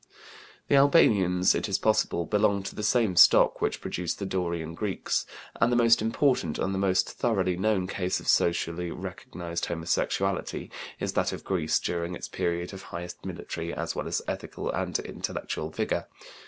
The Albanians, it is possible, belonged to the same stock which produced the Dorian Greeks, and the most important and the most thoroughly known case of socially recognized homosexuality is that of Greece during its period of highest military as well as ethical and intellectual vigor.